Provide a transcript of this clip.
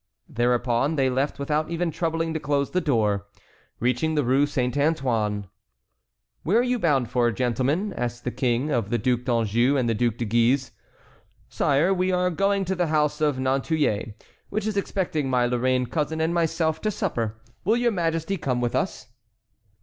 Thereupon they left without even troubling to close the door. Reaching the Rue Saint Antoine: "Where are you bound for, gentlemen?" asked the King of the Duc d'Anjou and the Duc de Guise. "Sire, we are going to the house of Nantouillet, who is expecting my Lorraine cousin and myself to supper. Will your Majesty come with us?"